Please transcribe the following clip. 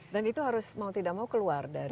dan itu harus mau tidak mau keluar dari desa